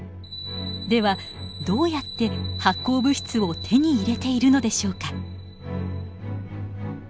ではどうやって発光物質を手に入れているのでしょうか。